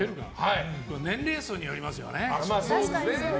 年齢層によりますよね。